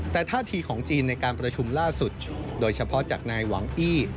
แต่ท่าทีของจีนในการประชุมล่าสุดโดยเฉพาะจากนายหวังอี้